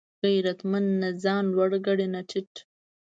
غیرتمند نه ځان لوړ ګڼي نه ټیټ